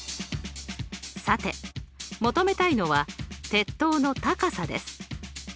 さて求めたいのは鉄塔の高さです。